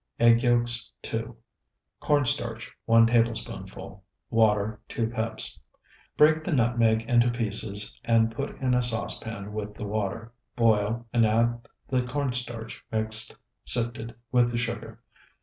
Egg yolks, 2. Corn starch, 1 tablespoonful. Water, 2 cups. Break the nutmeg into pieces and put in a saucepan with the water, boil, and add the corn starch mixed (sifted) with the sugar.